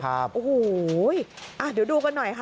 โอ้โหเดี๋ยวดูกันหน่อยค่ะ